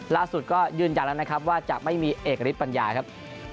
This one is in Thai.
ล่าสุดก็ยืนยันแล้วนะครับว่าจะไม่มีเอกฤทธปัญญาครับ